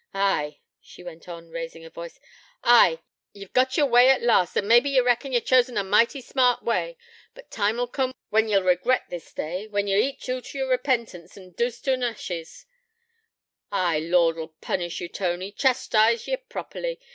Ay,' she went on, raising her voice, 'ay, ye've got yer way at last, and mebbe ye reckon ye've chosen a mighty smart way. But time 'ull coom when ye'll regret this day, when ye eat oot yer repentance in doost an' ashes. Ay, Lord 'ull punish ye, Tony, chastize ye properly.